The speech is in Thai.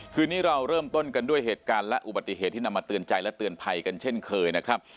คืนนี้เราเริ่มต้นกันด้วยเหตุการณ์และอุบัติเหตุที่นำมาเตือนใจและเตือนภัยกันเช่นเคยนะครับ